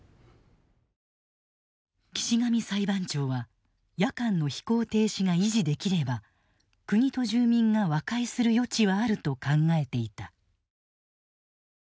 岸上裁判長は夜間の飛行停止が維持できれば国と住民が和解する余地はあると考えていた。